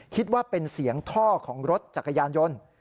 คิดว่าเป็นเสียงท่อของรถจักรยานยนต์